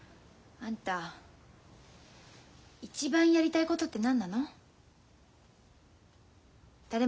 あんた一番やりたいことって何？